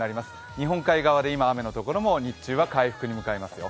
日本海側で今雨のところも日中は回復に向かいますよ。